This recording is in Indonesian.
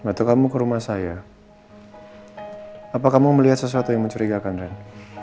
hai bantu kamu ke rumah saya hai apa kamu melihat sesuatu yang mencurigakan ren